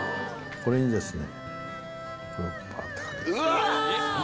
これもですね。